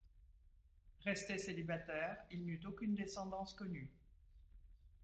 Resté célibataire, il n'eut aucune descendance connue.